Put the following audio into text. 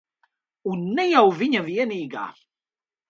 Un ne jau viņa vienīgā.